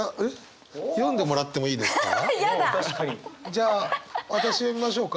じゃあ私読みましょうか？